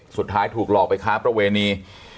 สุดท้ายถูกหลอกไปค้าประเวณี